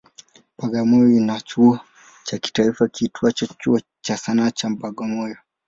Bagamoyo ina chuo cha kitaifa kiitwacho Chuo cha Sanaa cha Bagamoyo.